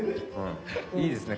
いいですね。